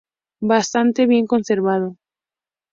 Bastante bien conservado.